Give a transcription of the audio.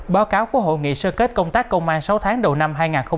báo cáo của hội nghị sơ kết công tác công an sáu tháng đầu năm hai nghìn hai mươi ba